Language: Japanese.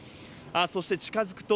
そして、近づくと、